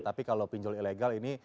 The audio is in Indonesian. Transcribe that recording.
tapi kalau pinjol ilegal ini